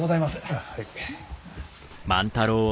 ああはい。